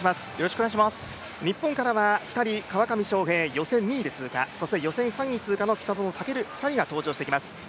日本からは２人、川上翔平、予選２位で通過、予選３位通過の北園丈琉、２人が登場してきます。